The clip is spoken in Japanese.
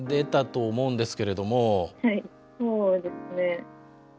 ☎はいそうですね。